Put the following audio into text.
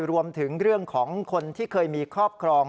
รวมถึงเรื่องของคนที่เคยมีครอบครอง